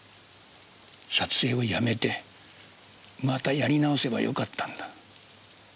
撮影をやめてまたやり直せばよかったんだ。